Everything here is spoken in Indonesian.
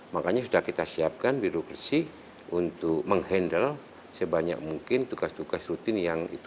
makanya sudah kita siapkan birokrasi untuk menghandle sebanyak mungkin tugas tugas rutin yang itu